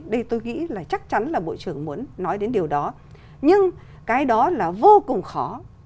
đây tôi nghĩ là chắc chắn là bộ trưởng muốn nói đến điều đó nhưng cái đó là vô cùng khó